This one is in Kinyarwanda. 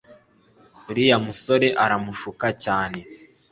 uriya musore aramushuka cyane